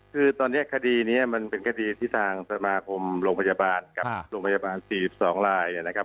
คือตอนนี้คดีนี้มันเป็นคดีที่ทางสมาคมโรงพยาบาลกับโรงพยาบาล๔๒ลายนะครับ